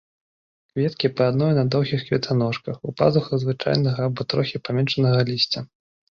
Кветкі па адной на доўгіх кветаножках, у пазухах звычайнага або трохі паменшанага лісця.